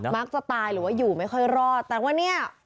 มักจะตายหรือว่าอยู่ไม่ค่อยรอดแต่ว่าเนี่ย